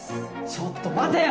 ちょっと待てよ！